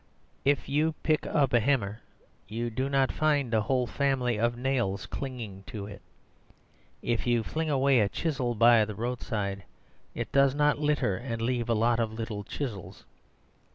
If you pick up a hammer, you do not find a whole family of nails clinging to it. If you fling away a chisel by the roadside, it does not litter and leave a lot of little chisels.